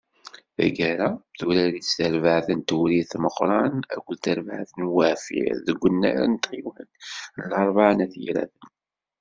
Taggara, turar-itt, tarbaɛt n Tewrirt Meqqran akked tarbaɛt n Weɛfir, deg unnar n tɣiwant n Larebɛa n At Yiraten.